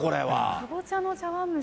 かぼちゃの茶碗蒸